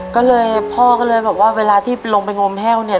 ก็เลยพ่อก็เลยบอกว่าเวลาที่ลงไปงมแห้วเนี่ย